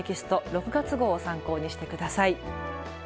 ６月号を参考にして下さい。